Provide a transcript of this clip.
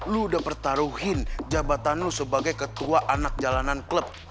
lu udah pertaruhin jabatan lo sebagai ketua anak jalanan klub